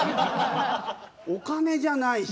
お金じゃないし。